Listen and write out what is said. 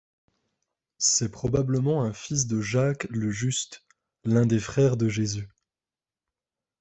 C'est probablement un fils de Jacques le Juste, l'un des frères de Jésus.